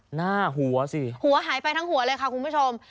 หน้าหัวสิหัวหายไปทั้งหัวเลยค่ะคุณผู้ชม